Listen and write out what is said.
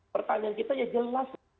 pertanyaan kita ya jelas